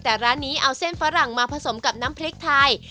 แต่ร้านนี้เอาเส้นฝรั่งมาผสมกับน้ำพริกไทย